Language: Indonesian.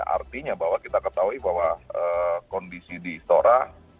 artinya bahwa kita ketahui bahwa kondisi di istora